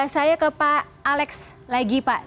saya ke pak alex lagi pak